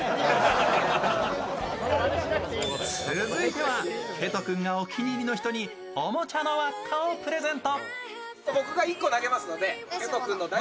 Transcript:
続いてはケト君がお気に入りの人におもちゃの輪っかをプレゼント。